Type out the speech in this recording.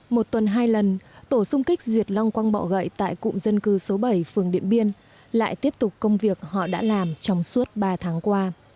một tuần hai lần tổ sung kích diệt long quang bọ gậy tại cụm dân cư số bảy phường điện biên lại tiếp tục công việc họ đã làm trong suốt ba tháng qua